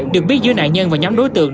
được biết giữa nạn nhân và nhóm đối tượng